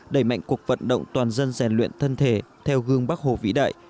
đẩy mạnh cuộc vận động toàn dân rèn luyện thân thể theo gương bắc hồ vĩ đại